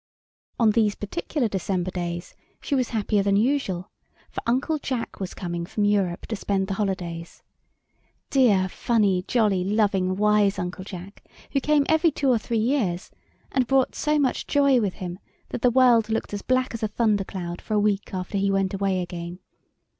On these particular December days she was happier than usual, for Uncle Jack was coming from Europe to spend the holidays. Dear, funny, jolly, loving, wise Uncle Jack, who came every two or three years, and brought so much joy with him that the world looked as black as a thunder cloud for a week after he went away again.